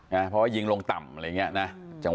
เพราะว่ายิงลงต่ำอะไรอย่างนี้นะ